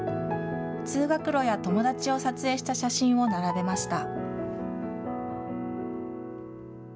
通学路や友達を撮影した写真を並べました。